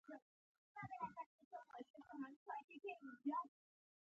او لوبغاړو د تبادلې بېلابېلې بڼې هم شته